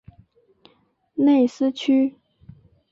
内斯屈。